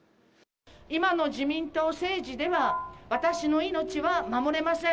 今の自民党政治では、私の命は守れません。